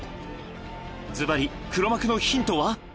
ずばり、黒幕のヒントは。